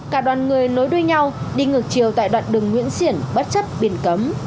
cả đoàn người nối đuôi nhau đi ngược chiều tại đoạn đường nguyễn xiển bất chấp biển cấm